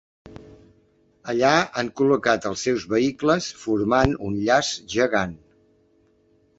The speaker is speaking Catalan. Allà han col·locat els seus vehicles formant un llaç gegant.